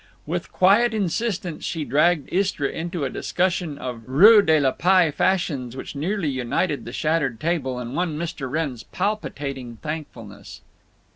With quiet insistence she dragged Istra into a discussion of rue de la Paix fashions which nearly united the shattered table and won Mr. Wrenn's palpitating thankfulness.